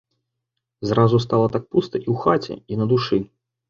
Зразу стала так пуста і ў хаце, і на душы.